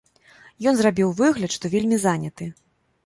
Ён зрабіў выгляд, што вельмі заняты.